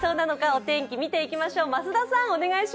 お天気、見ていきましょう。